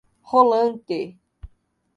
Rolante